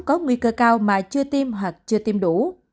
có nguy cơ cao mà chưa tiêm hoặc chưa tiêm đủ